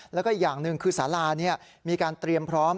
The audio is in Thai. แล้วก็อีกอย่างหนึ่งคือสารามีการเตรียมพร้อม